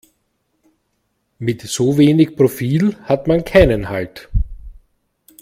Mit so wenig Profil hat man keinen Halt.